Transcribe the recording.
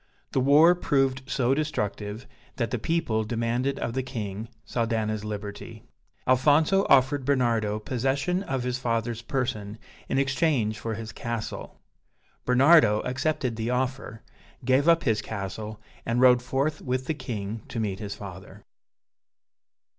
The war proved so destructive that the people demanded of the King, Saldana's liberty. Alfonso offered Bernardo possession of his father's person in exchange for his castle. Bernardo accepted the offer, gave up his castle, and rode forth with the king to meet his father.)